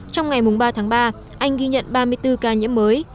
trong ngày ba tháng ba anh ghi nhận ba mươi bốn ca nhiễm mới